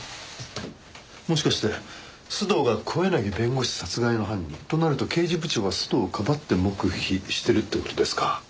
もしかして須藤が小柳弁護士殺害の犯人。となると刑事部長は須藤をかばって黙秘してるって事ですか。